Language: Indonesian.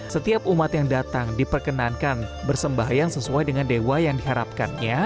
setiap umat yang datang diperkenankan bersembahyang sesuai dengan dewa yang diharapkannya